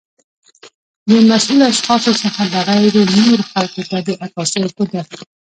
د مسؤلو اشخاصو څخه بغیر و نورو خلګو ته د عکاسۍ ښودل